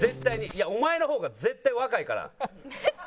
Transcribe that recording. いやお前の方が絶対若いから。